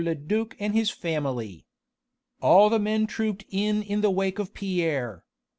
le duc and his family. All the men trooped in in the wake of Pierre.